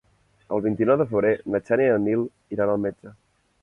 El vint-i-nou de febrer na Xènia i en Nil iran al metge.